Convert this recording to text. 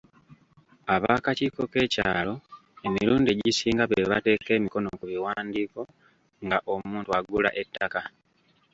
Ab'akakiiko k'ekyalo emirundi egisinga be bateeka emikono ku biwandiiko nga omuntu agula ettaka.